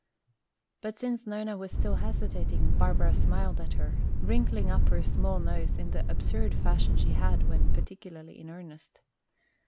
But since Nona was still hesitating Barbara smiled at her, wrinkling up her small nose in the absurd fashion she had when particularly in earnest.